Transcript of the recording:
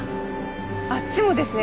あっちもですね。